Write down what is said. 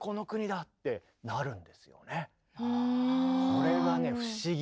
これがね不思議。